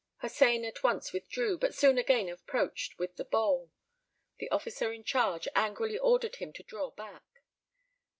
Hossein at once withdrew, but soon again approached with the bowl. The officer in charge angrily ordered him to draw back.